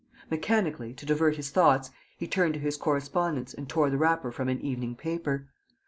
Mechanically, to divert his thoughts, he turned to his correspondence and tore the wrapper from an evening paper.